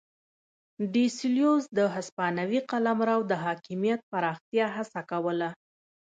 ډي سلوس د هسپانوي قلمرو د حاکمیت پراختیا هڅه کوله.